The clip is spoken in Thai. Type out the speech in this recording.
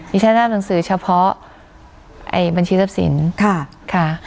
ดิฉันรับหนังสือเฉพาะบัญชีทรัพย์สินค่ะ